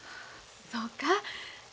そうか？